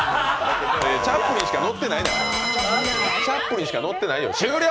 チャップリンしか乗ってないねん、終了！